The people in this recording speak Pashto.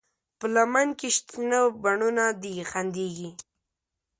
په لمن کې شنه بڼوڼه دي خندېږي